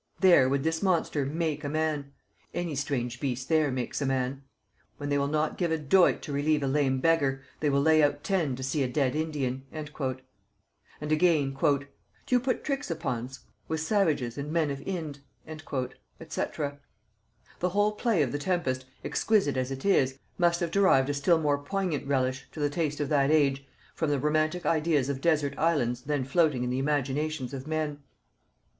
There would this monster make a man; any strange beast there makes a man: when they will not give a doit to relieve a lame beggar, they will lay out ten to see a dead Indian." And again; "Do you put tricks upon's with savages and men of Inde?" &c. The whole play of the Tempest, exquisite as it is, must have derived a still more poignant relish, to the taste of that age, from the romantic ideas of desert islands then floating in the imaginations of men.